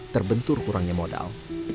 terbentur kurangnya modal